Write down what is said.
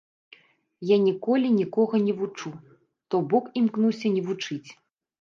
Я ніколі нікога не вучу, то бок імкнуся не вучыць.